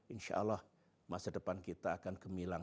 insyaallah masa depan kita akan gemilang